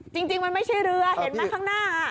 จริงมันไม่ใช่เรือเห็นไหมข้างหน้า